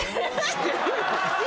知ってる？